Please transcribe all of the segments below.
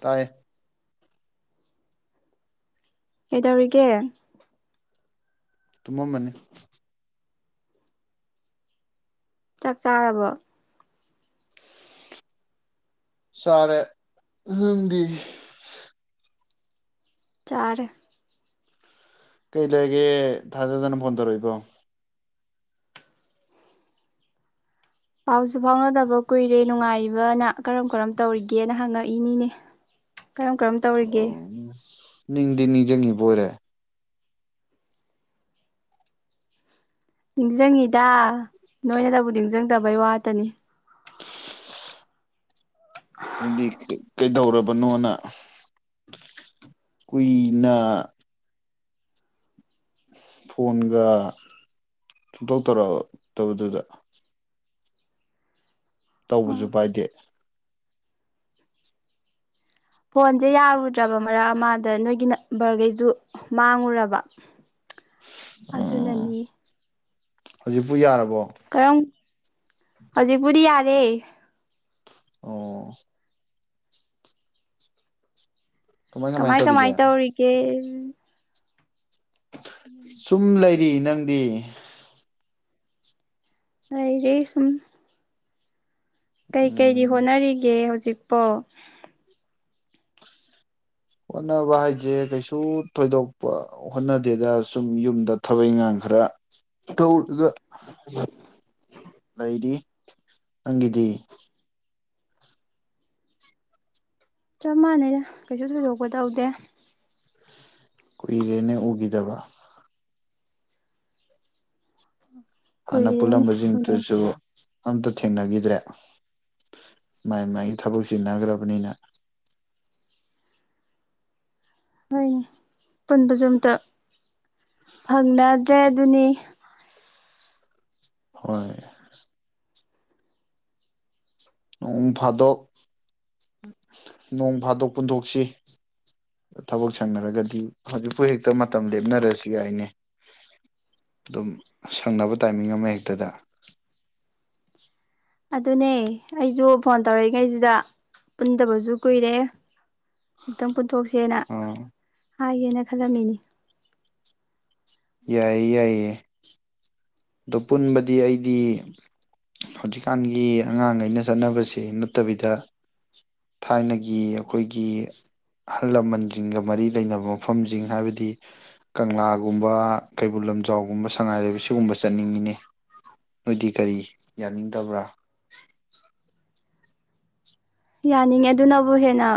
ꯇꯥꯏ ꯀꯩꯗꯧꯔꯤꯒꯦ ꯇꯨꯃ ꯃꯅꯤ ꯆꯥꯛ ꯆꯥꯔꯕ ꯁꯔꯦ ꯎꯗꯤ ꯆꯔ ꯀꯩ ꯂꯩꯒꯦ ꯊꯥꯖꯗꯅ ꯐꯣꯟ ꯇꯧꯔꯛꯏꯕꯣ ꯄꯥꯎꯁꯨ ꯐꯥꯎꯅꯗꯕ ꯀꯨꯏꯔꯦ ꯅꯨꯡꯉꯥꯏꯔꯤꯕꯅ ꯀꯔꯝ ꯀꯔꯝ ꯇꯧꯔꯤꯒꯦꯅ ꯍꯪꯉꯛꯏꯅꯤꯅꯦ ꯀꯔꯝ ꯀꯔꯝ ꯇꯧꯔꯤꯒꯦ ꯅꯤꯡꯗꯤ ꯅꯤꯡꯁꯤꯡꯉꯤꯕ ꯑꯣꯏꯔꯦ ꯅꯤꯡꯁꯤꯡꯉꯤꯗ ꯅꯣꯏꯅꯇꯕꯨ ꯅꯤꯡꯁꯤꯡꯗꯕꯩ ꯋꯥꯇꯅꯤ ꯏꯗꯤ ꯀꯩꯗꯧꯔꯕꯅꯣꯅ ꯀꯨꯏꯅ ꯐꯣꯟꯒ ꯆꯣꯡꯗꯣꯛ ꯇꯔꯛꯑꯛꯇꯕꯗꯨꯗ ꯇꯧꯕꯁꯨ ꯄꯥꯏꯗꯦ ꯐꯣꯟꯁꯦ ꯌꯥꯔꯨꯗ꯭ꯔꯕ ꯃꯔꯛ ꯑꯃꯗ ꯅꯣꯏꯒꯤ ꯅꯝꯕꯔꯈꯩꯁꯨ ꯃꯥꯡꯉꯨꯔꯕ ꯎꯝ ꯑꯗꯨꯅꯅꯤ ꯍꯧꯖꯤꯛꯄꯨ ꯌꯥꯔꯕ ꯣ ꯍꯧꯖꯤꯛ ꯄꯨꯔꯤ ꯌꯥꯔꯦ ꯑꯣ ꯀꯃꯥꯏ ꯀꯃꯥꯏ ꯇꯧꯔꯤꯒꯦ ꯎꯝ ꯎꯝ ꯑꯩꯗꯤ ꯅꯪꯗꯤ ꯑ ꯁꯨꯝ ꯀꯩ ꯀꯩꯗꯤ ꯎꯝ ꯍꯣꯠꯅꯔꯤꯒꯦ ꯍꯧꯖꯤꯛ ꯆꯞꯄ ꯍꯣꯠꯅꯕ ꯍꯥꯏꯁꯦ ꯀꯩꯁꯨ ꯊꯣꯏꯗꯣꯛꯄ ꯍꯣꯠꯅꯗꯦꯗ ꯁꯨꯝ ꯌꯨꯝꯗ ꯊꯕꯛ ꯏꯪꯈꯥꯡ ꯈꯔ ꯇꯧꯔꯒ ꯂꯩꯔꯤ ꯅꯪꯒꯤꯗꯤ ꯆꯞ ꯃꯥꯟꯅꯩ ꯀꯩꯁꯨ ꯊꯣꯏꯗꯣꯛꯄ ꯇꯧꯗꯦ ꯀꯣꯏꯔꯦꯅꯦ ꯎꯒꯤꯗꯕ ꯍꯥꯟꯅ ꯀꯨꯏꯔꯦꯅꯦ ꯄꯨꯜꯂꯝꯕꯁꯤꯡ ꯎꯅ ꯇꯁꯨ ꯑꯝꯇ ꯊꯦꯡꯅꯈꯤꯗ꯭ꯔꯦ ꯃꯥꯏ ꯃꯥꯏꯒꯤ ꯊꯕꯛ ꯁꯤꯖꯤꯟꯅꯈ꯭ꯔꯕꯅꯤꯅ ꯍꯣꯏꯅꯦ ꯄꯨꯟꯕꯁꯨ ꯑꯝꯇ ꯐꯪꯅ ꯇ꯭ꯔꯦ ꯑꯗꯨꯅꯤ ꯍꯣꯏ ꯅꯣꯡ ꯐꯥꯗꯣꯛ ꯅꯣꯡ ꯐꯥꯗꯣꯛ ꯄꯨꯟꯊꯣꯛꯁꯤ ꯊꯕꯛ ꯁꯪꯅꯔꯒꯗꯤ ꯍꯧꯖꯤꯛꯄꯨ ꯍꯦꯛꯇ ꯃꯇꯝ ꯂꯦꯞꯅꯔꯁꯤꯒ ꯑꯩꯅꯦ ꯑꯗꯨꯝ ꯁꯪꯅꯕ ꯇꯥꯏꯃꯤꯡ ꯑꯃ ꯍꯦꯛꯇꯗ ꯑꯗꯨꯅꯦ ꯑꯩꯁꯨ ꯐꯣꯟ ꯇꯧꯔꯛꯏꯉꯩꯁꯤꯗ ꯄꯨꯟꯗꯕꯁꯨ ꯀꯨꯏꯔꯦ ꯑꯇꯪ ꯄꯨꯟꯊꯣꯛꯁꯦꯅ ꯑꯥ ꯍꯥꯏꯒꯦꯅ ꯈꯜꯂꯝꯃꯤꯅꯤ ꯌꯥꯏꯌꯦ ꯌꯥꯏꯌꯦ ꯑꯗꯣ ꯄꯨꯟꯕꯗꯤ ꯑꯩꯗꯤ ꯍꯧꯖꯤꯛꯀꯥꯟꯒꯤ ꯑꯉꯥꯡꯈꯩꯅ ꯆꯠꯅꯕꯁ‌ꯦ ꯅꯠꯇꯕꯤꯗ ꯊꯥꯏꯅꯒꯤ ꯑꯩꯈꯣꯏꯒꯤ ꯑꯍꯜ ꯂꯃꯟꯁꯤꯡꯒ ꯃꯔꯤ ꯂꯩꯅꯕ ꯃꯐꯝꯁꯤꯡ ꯍꯥꯏꯕꯗꯤ ꯀꯪꯂꯥꯒꯨꯝꯕ ꯀꯩꯕꯨꯜ ꯂꯝꯖꯥꯎꯒꯨꯝꯕ ꯁꯉꯥꯏ ꯂꯩꯕ ꯁꯤꯒꯨꯝꯕꯁꯦ ꯆꯠꯅꯤꯡꯉꯤꯅꯦ ꯅꯣꯏꯗꯤ ꯀꯔꯤ ꯌꯥꯅꯤꯡꯗꯕ꯭ꯔꯥ ꯌꯥꯅꯤꯡꯉꯦ ꯑꯗꯨꯅꯕꯨ ꯍꯦꯟꯅ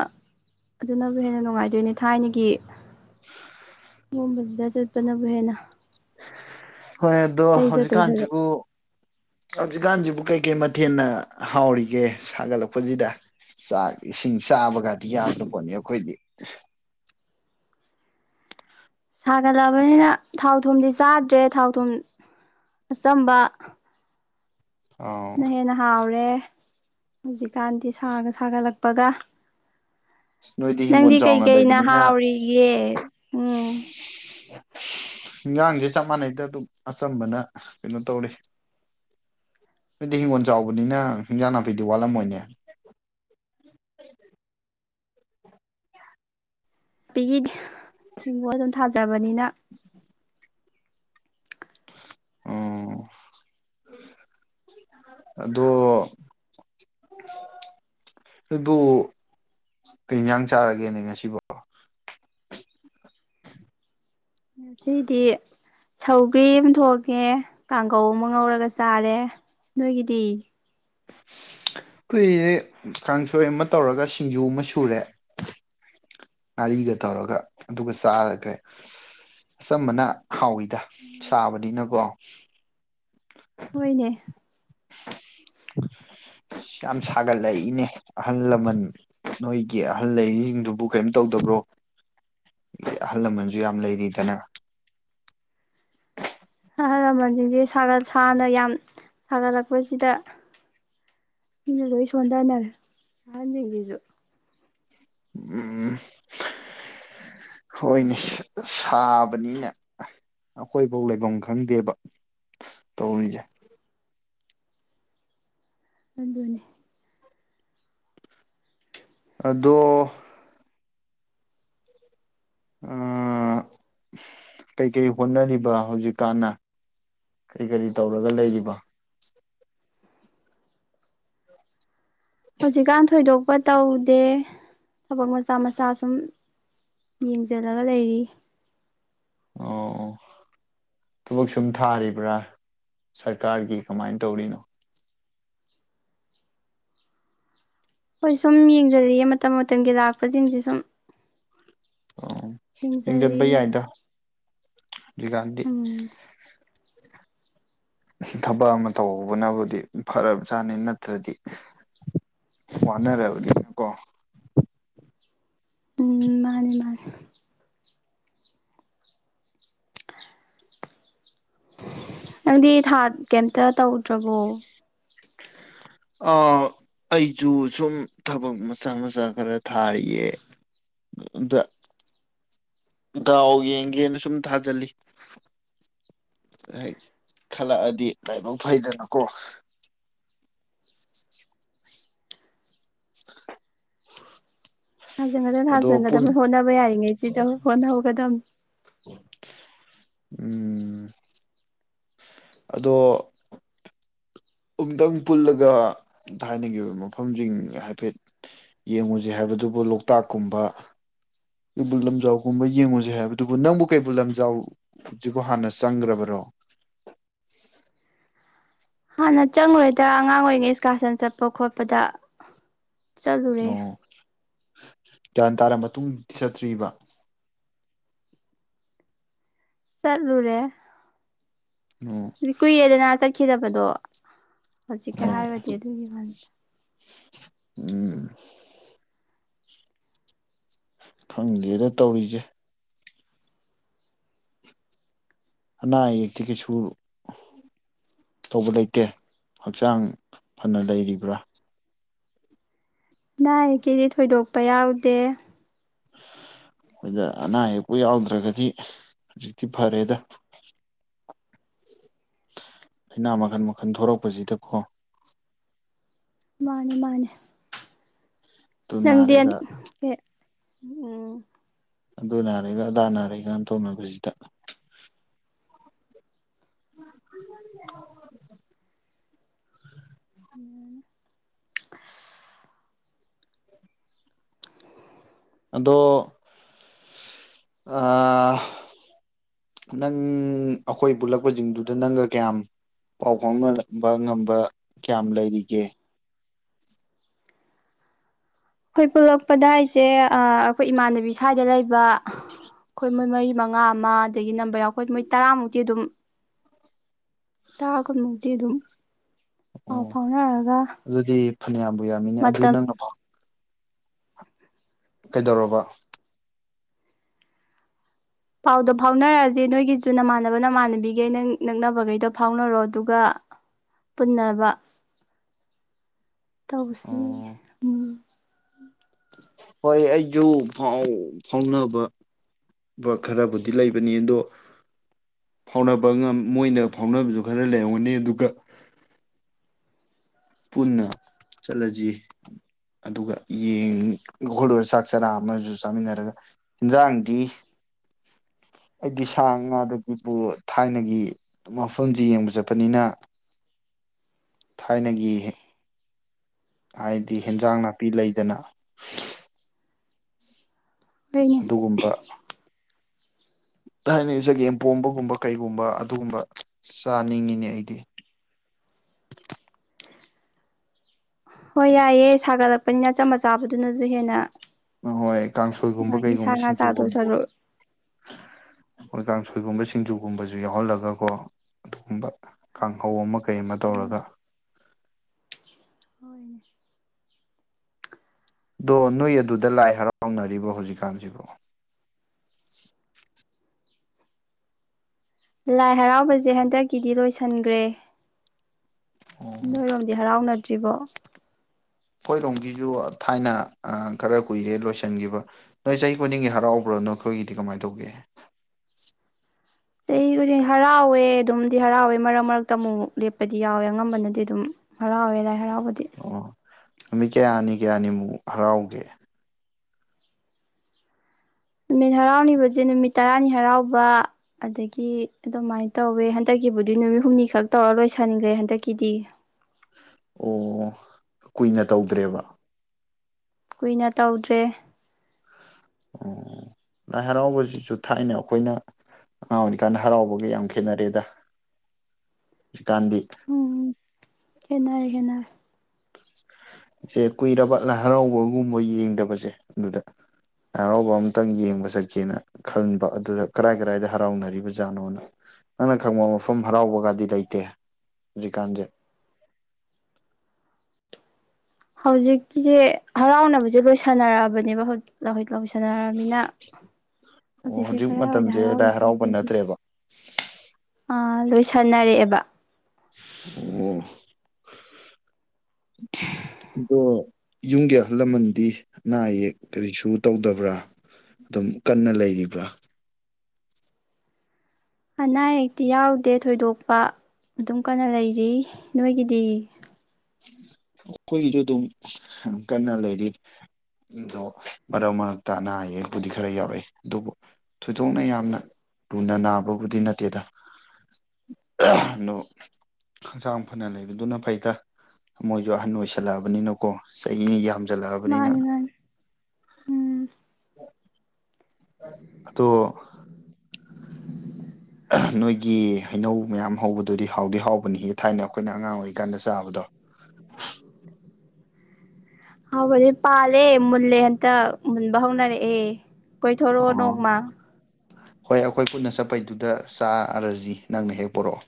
ꯑꯗꯨꯅꯕꯨ ꯍꯦꯟꯅ ꯅꯨꯡꯉꯥꯏꯗꯣꯏꯅꯦ ꯊꯥꯏꯅꯒꯤ [inaudible] ꯒꯨꯝꯕꯁꯤꯗ ꯆꯠꯄꯅꯕꯨ ꯍꯦꯟꯅ ꯍꯣꯏ ꯑꯗꯣ ꯑꯇꯩ ꯆꯠꯇꯣꯏ ꯁꯔꯨꯛ ꯍꯧꯖꯤꯛꯀꯥꯟꯁꯤꯕꯨ ꯍꯧꯖꯤꯛꯀꯥꯟꯁꯤꯕꯨ ꯀꯩꯀꯩ ꯃ ꯊꯦꯟꯅ ꯍꯥꯎꯔꯤꯒꯦ ꯁꯥꯒꯠꯂꯛꯄꯁꯤꯗ ꯆꯥꯛ ꯏꯁꯤꯡ ꯆꯥꯕꯒꯥꯗꯤ ꯌꯥꯗ꯭ꯔ ꯄꯣꯠꯅꯤ ꯑꯩꯈꯣꯏꯗꯤ ꯁꯥꯒꯠꯂꯛꯑꯕꯅꯤꯅ ꯊꯥꯎ ꯊꯨꯝꯗꯤ ꯆꯥꯗ꯭ꯔꯦ ꯊꯥꯎ ꯊꯨꯝ ꯑꯆꯝꯕ ꯅ ꯑꯥꯎ ꯍꯦꯟꯅ ꯍꯥꯥꯎꯔꯦ ꯍꯧꯖꯤꯛꯀꯥꯟꯗꯤ ꯁꯥꯒ ꯁꯥꯒꯠꯂꯛꯄꯒ ꯅꯣꯏꯗꯤ ꯅꯪꯗꯤ ꯍꯤꯡꯒꯣꯜ ꯆꯥꯎꯅ ꯀꯩꯀꯩꯅ ꯂꯩꯕꯅꯤꯅ ꯍꯥꯎꯔꯤꯒꯦ ꯎꯝ ꯍꯤꯟꯁꯥꯡꯁꯦ ꯆꯞ ꯃꯥꯟꯅꯩꯗ ꯑꯗꯨꯝ ꯑꯆꯝꯕꯅ ꯀꯩꯅꯣ ꯇꯧꯔꯤ ꯅꫭꯏꯗꯤ ꯍꯪꯒꯣꯜ ꯆꯥꯎꯕꯅꯤꯅ ꯍꯤꯟꯁꯥꯡ ꯅꯥꯄꯤꯗꯤ ꯋꯥꯠꯂꯝꯃꯣꯏꯅꯦ ꯄꯤꯒꯤ ꯍꯤꯡꯒꯣꯜ ꯑꯗꯨꯝ ꯊꯥꯖꯕꯅꯤꯅ ꯑꯣ ꯑꯗꯣ ꯑꯗꯨ ꯀꯩ ꯏꯟꯁꯥꯡ ꯆꯥꯔꯒꯦꯅꯦ ꯉꯁꯤꯕꯣ ꯉꯁꯤꯗꯤ ꯁꯧꯒ꯭ꯔꯤ ꯑꯃ ꯊꯣꯛꯉꯦ ꯀꯥꯡꯒꯧ ꯑꯃ ꯉꯧꯔꯒ ꯆꯥꯔꯦ ꯅꯣꯏꯒꯤꯗꯤ ꯑꯩꯈꯏꯁꯦ ꯀꯥꯡꯁꯣꯏ ꯑꯃ ꯇꯧꯔꯒ ꯁꯤꯡꯖꯨ ꯑꯃ ꯁꯨꯔꯦ ꯉꯥꯔꯤꯒ ꯇꯧꯔꯒ ꯑꯗꯨꯒ ꯆꯥꯈ꯭ꯔꯦ ꯑꯆꯝꯕꯅ ꯍꯥꯎꯋꯤꯗ ꯁꯥꯕꯅꯤꯅꯀꯣ ꯍꯣꯏꯅꯦ [inaudible] ꯌꯥꯝ ꯁꯥꯒꯠꯂꯛꯏꯅꯦ ꯑꯍꯜ ꯂꯃꯟ ꯅꯣꯏꯒꯤ ꯑꯍꯜ ꯂꯩꯔꯤꯁꯤꯡꯗꯨꯕꯨ ꯀꯩꯝ ꯇꯧꯗꯕ꯭ꯔꯣ ꯑꯍꯜ ꯂꯃꯟꯁꯨ ꯌꯥꯝ ꯂꯩꯔꯤꯗꯅ ꯑꯍꯜ ꯂꯃꯟꯁꯤꯡꯁꯦ ꯁꯥꯒꯠ ꯁꯥꯅ ꯌꯥꯝ ꯁꯥꯒꯠꯂꯛꯄꯁꯤꯗ ꯃꯤꯅ ꯂꯣꯏ ꯁꯣꯟꯊꯅꯔꯦ ꯑꯍꯟꯁꯤꯡꯁꯤꯁꯨ ꯎꯝ ꯍꯣꯏꯅꯦ ꯁꯥꯕꯅꯤꯅ ꯑꯩꯈꯣꯏꯐꯧ ꯂꯩꯐꯝ ꯈꯪꯗꯦꯕ ꯇꯧꯔꯤꯁꯦ ꯑꯗꯨꯅꯦ ꯑꯗꯣ ꯑꯥ ꯀꯩꯀꯩ ꯍꯣꯠꯅꯔꯤꯕ ꯍꯧꯖꯤꯛꯀꯥꯟꯅ ꯀꯔꯤ ꯀꯔꯤ ꯇꯧꯔꯒ ꯂꯩꯔꯤꯕ ꯍꯧꯖꯤꯛꯀꯥꯟ ꯊꯣꯏꯗꯣꯛꯄ ꯇꯧꯗꯦ ꯊꯕꯛ ꯃꯆꯥ ꯃꯆꯥ ꯁꯨꯝ ꯌꯦꯡꯁꯤꯜꯂꯒ ꯂꯩꯔꯤ ꯑꯣ ꯊꯕꯛ ꯁꯨꯝ ꯊꯥꯔꯤꯕ꯭ꯔꯥ ꯁꯔꯀꯥꯔꯒꯤ ꯀꯃꯥꯏꯅ ꯇꯧꯔꯤꯅꯣ ꯍꯣꯏ ꯁꯨꯝ ꯌꯦꯡꯖꯜꯂꯤꯌꯦ ꯃꯇꯝ ꯃꯇꯝꯒꯤ ꯂꯥꯛꯄꯁꯤꯡꯁꯦ ꯁꯨꯝ ꯑꫭ ꯌꯦꯡꯖꯜꯂꯤ ꯌꯦꯡꯁꯤꯟꯕ ꯌꯥꯏꯗ ꯒꯥꯟꯙꯤ ꯎꯝ ꯊꯕꯛ ꯑꯃ ꯇꯧꯍꯧꯕꯅꯕꯨꯗꯤ ꯐꯔꯕꯖꯥꯠꯅꯤ ꯅꯠꯇ꯭ꯔꯗꯤ ꯋꯥꯅꯔꯕꯅꯤꯅꯀꯣ ꯎꯝ ꯃꯥꯅꯦ ꯃꯥꯅꯦ ꯅꯪꯗꯤ ꯊꯥ ꯀꯩꯝꯇ ꯇꯧꯗ꯭ꯔꯕꯣ ꯑ ꯑꯩꯁꯨ ꯁꯨꯝ ꯊꯕꯛ ꯃꯆꯥ ꯃꯆꯥ ꯈꯔ ꯊꯥꯔꯤꯌꯦ ꯑꯗ ꯗꯥꯎ ꯌꯦꯡꯒꯦꯅ ꯁꯨꯝ ꯊꯥꯖꯤꯜꯂꯤ ꯍꯥꯏ ꯈꯜꯂꯛꯑꯗꯤ ꯂꯥꯏꯕꯛ ꯐꯩꯗꯅ ꯀꯣ [inaudible] ꯊꯥꯖꯟꯒꯗꯕꯅ ꯑꯗꯣ ꯄꯨꯟ ꯊꯥꯖꯟꯒꯗꯕ ꯍꯣꯠꯅꯕ ꯌꯥꯔꯤꯉꯩꯖꯤꯗ ꯍꫭꯠꯅ ꯍꯧꯒꯗꯝ ꯎꯝ ꯑꯗꯣ ꯑꯝꯇꯪ ꯄꯨꯜꯂꯒ ꯊꯥꯏꯅꯒꯤ ꯑꯣꯏ ꯃꯐꯝꯁꯤꯡ ꯍꯥꯏꯐꯦꯠ ꯌꯦꯡꯉꯨꯁ ꯍꯥꯏꯕꯗꯨꯕꯨ ꯂꯣꯛꯇꯥꯛꯀꯨꯝꯕ ꯀꯩꯕꯨꯜ ꯂꯝꯖꯥꯎꯒꯨꯝꯕ ꯌꯦꯡꯉꯨꯁꯤ ꯍꯥꯏꯕꯗꯨꯕꯨ ꯅꯪꯕꯨ ꯀꯩꯕꯨꯜ ꯂꯝꯖꯥꯎꯁꯤꯕꯨ ꯍꯥꯟꯅ ꯆꯪꯈ꯭ꯔꯕꯔꯣ ꯍꯥꯟꯅ ꯆꯪꯉꯨꯔꯣꯏꯗ ꯑꯉꯥꯡ ꯑꯣꯏꯔꯤꯉꯩ ꯏꯁꯀꯥꯔꯁꯟ ꯆꯠꯄ ꯈꯣꯠꯄꯗ ꯆꯠꯂꯨꯔꯦ ꯑꯣ ꯒ꯭ꯌꯥꯟ ꯇꯥꯔꯕ ꯃꯇꯨꯡ ꯆꯠꯇ꯭ꯔꯤꯕ ꯆꯠꯂꯔꯦ ꯑꯣ ꯀꯨꯏꯔꯦꯗꯅ ꯆꯠꯈꯤꯗꯕ ꯃꯗꯣ ꯍꯧꯖꯤꯛꯀ ꯍꯣꯏ ꯍꯥꯏꯔꯗꯤ ꯑꯗꯨꯒꯤ ꯋꯥꯗ ꯎꯝ ꯈꯪꯗꯦꯅ ꯇꯧꯔꯤꯁꯦ ꯑꯅꯥ ꯑꯌꯦꯛꯇꯤ ꯀꯩꯁꯨ ꯇꯧꯕ ꯂꯩꯇꯦ ꯍꯛꯆꯥꯡ ꯐꯅ ꯂꯩꯔꯤꯕ꯭ꯔꯥ ꯑꯩ ꯀꯦꯗꯤ ꯊꯣꯏꯗꯣꯛꯄ ꯌꯥꯎꯗꯦ ꯑꯗ ꯑꯅꯥ ꯑꯌꯦꯛꯄꯨ ꯌꯥꯎꯗ꯭ꯔꯒꯗꯤ ꯍꯧꯖꯤꯛꯇꯤ ꯐꯔꯦꯗ ꯂꯅꯥ ꯃꯈꯜ ꯃꯈꯜ ꯊꯣꯔꯛꯄꯁꯤꯗꯀꯣ ꯃꯥꯅꯦ ꯃꯥꯅꯦꯦ ꯑꯗꯨ ꯅꯪꯗꯤ ꯅꯥꯔꯦꯒ ꯎꯝ ꯑꯗꯨ ꯅꯥꯔꯦꯒ ꯑꯗꯥ ꯅꯥꯔꯦꯒꯅ ꯇꯧꯅꯕꯁꯤꯗ ꯎ ꯑꯗꯣ ꯅꯪ ꯑꯩꯈꯣꯏ ꯄꯨꯜꯂꯛꯄꯁꯤꯡꯗꯨꯗ ꯅꯪꯒ ꯀꯌꯥꯝ ꯄꯥꯎ ꯐꯥꯎꯅꯕ ꯉꯝꯕ ꯀꯌꯥꯝ ꯂꯩꯔꯤꯒꯦ ꯍꯣꯏ ꯄꯨꯂꯛꯄꯗꯥ ꯍꯥꯏ ꯁꯦ ꯑꯩꯈꯣꯏ ꯏꯃꯥꯟꯅꯕꯤ ꯁ꯭ꯋꯥꯏꯗ ꯂꯩꯕ ꯑꯩꯈꯣꯏ ꯃꯣꯏ ꯃꯔꯤ ꯃꯉꯥ ꯑꯃ ꯑꯗꯒꯤ ꯅꯝꯕꯔ ꯌꯥꯎ ꯑꯩꯈꯣꯏ ꯃꯣꯏ ꯇꯔꯥꯃꯨꯛꯇꯤ ꯑꯗꯨꯝ ꯇꯔꯥ ꯀꯨꯟꯃꯨꯛꯇꯤ ꯑꯗꯨꯝ ꯑꯥꯎ ꯑꯣ ꯐꯥꯎꯅꯔꯒ ꯑꯗꯨꯗꯤ ꯐꯅꯌꯥꯝꯕꯨ ꯌꯥꯃꯤꯅꯦ ꯑꯗꯨ ꯃꯇꯝ ꯅꯪꯅ ꯀꯩꯗꯧꯔꯕ ꯄꯥꯎꯗꯣ ꯐꯥꯎꯅꯔꯛꯑꯁꯦ ꯅꯣꯏꯒꯤꯁꯨ ꯅꯃꯥꯟꯅꯕ ꯅꯃꯥꯟꯅꯕꯤꯈꯩ ꯅꯪ ꯅꯛꯅꯕꯈꯩꯗꯣ ꯐꯥꯎꯅꯔꯣ ꯑꯗꯨꯒ ꯄꯨꯟꯅꯕ ꯇꯧꯁꯤ ꯑꯣ ꯎꯝ ꯎꯝ ꯍꯣꯏ ꯑꯩꯁꯨꯥꯎ ꯐꯥꯎꯅꯕ ꯈꯔꯕꯨꯗꯤ ꯂꯩꯕꯅꯤ ꯑꯗꯣ ꯐꯥꯎꯅꯕ ꯃꯣꯏꯅ ꯐꯥꯎꯅꯕꯁꯨ ꯈꯔ ꯂꯩꯔꯝꯒꯅꯤ ꯑꯗꯨꯒ ꯄꯨꯟꯅ ꯆꯠꯂꯁꯤ ꯑꯗꯨꯒ ꯌꯦꯡꯈꯜꯂꯕ ꯆꯥꯛ ꯆꯔꯥ ꯑꯃꯁꯨ ꯆꯥꯃꯤꯟꯅꯔꯒ ꯌꯦꯟꯖꯥꯡꯗꯤ ꯑꯩꯗꯤ ꯁꯥ ꯉꯥꯗꯒꯤꯕꯨ ꯊꯥꯏꯅꯒꯤ ꯃꯐꯝꯁꯤ ꯌꯦꯡꯕ ꯆꯠꯄꯅꯤꯅ ꯊꯥꯏꯅꯒꯤ ꯍꯥꯏꯗꯤ ꯍꯦꯟꯖꯥꯡ ꯅꯥꯄꯤ ꯂꯩꯗꯅ ꯍꯣꯏꯅꯦ ꯑꯗꯨꯒꯨꯝꯕ ꯊꯅ ꯏꯁꯩꯒꯦꯝꯄꯣꯝꯕꯒꯨꯝꯕ ꯀꯩꯒꯨꯝꯕ ꯑꯗꯨꯒꯨꯝꯕ ꯆꯥꯅꯤꯡꯉꯤꯅꯦ ꯑꯩꯗꯤ ꯍꯣꯏ ꯌꯥꯏꯑꯦ ꯁꯥꯒꯠꯂꯛꯄꯅꯤꯅꯆꯝ ꯃꯆꯥꯕꯗꯨꯅꯁꯨ ꯍꯦꯟꯅ ꯑꯍꯣꯏ ꯀꯥꯡꯁꯣꯏꯒꯨꯝꯕ ꯅꯨꯡꯉꯥꯏꯅꯤ ꯁꯥ ꯀꯩꯒꯨꯝꯕ ꯉꯥ ꯆꯥꯗꯧ ꯁꯤꯡꯖꯨꯒꯨꯝꯕꯣ ꯁꯔꯨꯛ ꯑꯩꯈꯣꯏ ꯀꯥꯡꯁꯣꯏꯒꯨꯝꯕ ꯁꯤꯡꯖꯨꯒꯨꯝꯕꯁꯨ ꯌꯥꯎꯍꯜꯂꯒꯀꯣ ꯑꯗꯨꯒꯨꯝꯕ ꯀꯥꯡꯍꯧ ꯑꯃ ꯀꯩꯃ ꯇꯧꯔꯒ ꯍꯣꯏꯅꯦ ꯑꯗꯣ ꯅꯣꯏ ꯑꯗꯨꯗ ꯂꯥꯏ ꯍꯔꯥꯎꯅꯔꯤꯕ꯭ꯔꯣ ꯍꯧꯖꯤꯛꯀꯥꯟꯁꯤꯕꯣ ꯂꯥꯏ ꯍꯔꯥꯎꯕꯁꯦ ꯍꯟꯗꯛꯀꯤꯗꯤ ꯂꯣꯏꯁꯤꯟꯈ꯭ꯔꯦ ꯑꯣ ꯅꯣꯏꯔꯣꯝꯗꯤ ꯍꯔꯥꯎꯅꯗ ꯇꯔꯤꯕ ꯑꯩꯈꯣꯏꯔꯣꯝꯒꯤꯁꯨ ꯊꯥꯏꯅ ꯈꯔ ꯀꯨꯏꯔꯦ ꯂꯣꯏꯁꯤꯟꯈꯤꯕ ꯅꯣꯏ ꯆꯍꯤ ꯈꯨꯗꯤꯡꯒꯤ ꯍꯔꯥꯎꯕ꯭ꯔꯣ ꯅ ꯑꯩꯈꯣꯏꯒꯤꯗꯤ ꯀꯃꯥꯏꯅ ꯇꯧꯒꯦ ꯆꯍꯤ ꯈꯨꯗꯤꯛ ꯍꯔꯥꯎꯋꯦ ꯑꯗꯨꯝꯗꯤ ꯍꯔꯥꯎꯋꯦ ꯃꯔꯛ ꯃꯔꯛꯇ ꯑꯃꯨꯛꯛ ꯂꯦꯞꯄꯗꯤ ꯌꯥꯎꯋꯦ ꯑꯉꯝꯕꯅꯗꯤ ꯑꯗꯨꯝ ꯍꯔꯥꯎꯋꯦ ꯂꯥꯏ ꯍꯔꯥꯎꯦ ꯃꯗꯤ ꯑꯣ ꯅꯨꯃꯤꯠ ꯀꯌꯥꯅꯤ ꯀꯌꯥꯅꯤꯃꯨꯛ ꯍꯔꯥꯎꯒꯦ ꯅꯨꯃꯤꯠ ꯍꯔꯥꯎꯅꯤꯕꯁꯦ ꯅꯨꯃꯤꯠ ꯇꯔꯥꯅꯤ ꯍꯔꯥꯎꯕ ꯑꯗꯒꯤ ꯑꯗꯨꯃꯥꯏꯅ ꯇꯧꯋꯦ ꯍꯟꯗꯛꯀꯤꯕꯨꯗꯤ ꯅꯨꯃꯤꯠ ꯍꯨꯝꯅꯤ ꯈꯛ ꯇꯧꯔ ꯂꯣꯏꯁꯟꯈ꯭ꯔꯦ ꯍꯟꯗꯛꯀꯤꯗꯤ ꯑꯣ ꯀꯨꯏꯅ ꯇꯧꯗ꯭ꯔꯦꯕ ꯀꯨꯏꯅ ꯇꯧꯗ꯭ꯔꯦ ꯑꯣ ꯂꯥꯏ ꯍꯔꯥꯎꯕꯁꯤꯁꯨ ꯊꯥꯏꯅ ꯑꯩꯈꯣꯏꯅ ꯑꯉꯥꯡ ꯑꯣꯏꯖꯤꯛꯀꯥꯟꯗ ꯍꯔꯥꯎꯕꯒ ꯌꯥꯝ ꯈꯦꯠꯅꯔꯦꯗ ꯍꯧꯖꯤꯛꯀꯥꯟꯗꯤ [inaudible] ꯦꯟꯅꯔ ꯈꯦꯟꯅꯔ ꯏꯦ ꯀꯨꯏꯔꯕ ꯂꯥꯏ ꯍꯔꯥꯎꯕꯒꯨꯝꯕ ꯌꯦꯡꯗꯕꯁꯦ ꯑꯗꯨꯗ ꯂꯥꯏ ꯍꯔꯥꯎꯕ ꯑꯃꯇꯪ ꯌꯦꯡꯕ ꯆꯠꯀꯦꯅ ꯈꯟꯕ ꯑꯗꯨꯗ ꯀꯔꯥꯏ ꯀꯔꯥꯏꯗ ꯍꯔꯥꯎꯅꯔꯤꯕꯖꯥꯠꯅꯣꯅ ꯅꯪꯅ ꯈꯪꯕ ꯃꯐꯝ ꯍꯔꯥꯎꯕꯒꯗꯤ ꯂꯩꯇꯦ ꯍꯧꯖꯤꯛꯀꯥꯟꯁꯦ ꯍꯧꯖꯤꯛꯀꯤꯁꯦ ꯍꯔꯥꯎꯅꯕꯁꯦ ꯂꯣꯏꯁꯥꯟꯅꯔꯛꯑꯕꯅꯦꯕ ꯍꯧꯖꯤ ꯂꯧꯁꯟꯅꯔꯕꯃꯤꯅ ꯑꯣ ꯍꯧꯖꯤꯛꯁꯦ ꯍꯧꯖꯤꯛ ꯀꯗꯥꯏꯋꯥꯏꯗ ꯃꯇꯝꯁꯦ ꯂꯥꯏ ꯍꯔꯥꯎꯔꯤꯒꯦ ꯍꯔꯥꯎꯕ ꯑꯃꯗꯤ ꯅꯠꯇ꯭ꯔꯦꯕ [inaudible] ꯑ ꯂꯣꯏ ꯁꯥꯟꯅꯔꯛꯑꯦꯕ ꯑꯣ [inaudible] ꯑꯗꯣ ꯌꯨꯝꯒꯤ ꯑꯍꯜ ꯂꯃꯟꯗꯤ ꯑꯅꯥ ꯑꯌꯦꯛ ꯀꯔꯤꯁꯨ ꯇꯧꯗꯕ꯭ꯔꯥ ꯑꯗꯨꯝ ꯀꯟꯅ ꯂꯩꯔꯤꯕ꯭ꯔꯥ ꯑꯅꯥ ꯑꯌꯦꯛꯇꯤ ꯌꯥꯎꯗꯦ ꯊꯣꯏꯗꯣꯛꯄ ꯑꯗꯨꯝ ꯀꯟꯅ ꯂꯩꯔꯤ ꯅꯣꯏꯒꯤꯗꯤ ꯑꯩꯈꯣꯏꯒꯤꯁꯨ ꯑꯗꯨꯝ ꯀꯟꯅ ꯂꯩꯔꯤꯗꯣ ꯃꯔꯛ ꯃꯔꯛꯇ ꯑꯅꯥ ꯑꯌꯦꯛꯄꯨꯗꯤ ꯈꯔ ꯌꯥꯎꯔꯛꯏ ꯑꯗꯨꯕꯨ ꯊꯣꯏꯗꯣꯛꯅ ꯌꯥꯝꯅ ꯂꯨꯅ ꯅꯥꯕꯕꯨꯗꯤ ꯅꯠꯇꯦꯗ ꯑꯗꯣ ꯍꯛꯆꯥꯡ ꯐꯅ ꯂꯩꯕꯗꯨꯅ ꯐꯩꯇ ꯃꯣꯏꯁꯨ ꯑꯍꯟ ꯑꯣꯏꯁꯜꯂꯛꯑꯕꯅꯤꯅꯀꯣ ꯆꯍꯤꯅꯤ ꯌꯥꯝ ꯆꯂꯕꯅꯤꯅ ꯃꯥꯅꯤ ꯃꯥꯅꯤ ꯎꯝ ꯗꯣ ꯅꯣꯏꯒꯤ ꯍꯩꯅꯧ ꯃꯌꯥꯝ ꯍꯧꯕꯗꯨꯗꯤ ꯍꯥꯎꯗꯤ ꯍꯥꯎꯕꯅꯤ ꯍꯦ ꯊꯥꯏꯅ ꯑꯩꯈꯣꯏꯅ ꯑꯉꯥꯡ ꯑꯣꯏꯔꯤꯀꯥꯟꯗ ꯆꯥꯕꯗꯣ ꯍꯥꯎꯕꯅꯦ ꯄꯥꯂꯦ ꯃꯂꯦ ꯑꯇ ꯃꯨꯟꯕ ꯍꯧꯅꯔꯛꯑꯦ ꯀꯣꯏꯊꯣꯔꯛꯑꯣ ꯑꯣ ꯅꯣꯡꯃ ꯍꯣꯏ ꯑꯩꯈꯣꯏ ꯄꯨꯟꯅ ꯆꯠꯄꯩꯗꯨꯗ ꯆꯥꯔꯁꯤ ꯅꯪꯅ ꯍꯦꯛ ꯄꯨꯔꯛꯑꯣ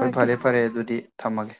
ꯍꯣꯏ ꯐꯔꯦ ꯐꯔꯦ ꯑꯗꯨꯗꯤ ꯊꯝꯃꯒꯦ